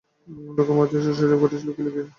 Luka মদরিচের শৈশব কেটেছে লুকিয়ে লুকিয়ে।